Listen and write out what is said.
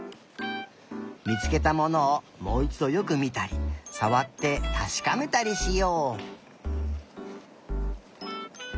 みつけたものをもういちどよくみたりさわってたしかめたりしよう。